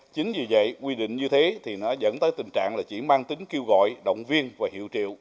chính vì vậy quy định như thế thì nó dẫn tới tình trạng là chỉ mang tính kêu gọi động viên và hiệu triệu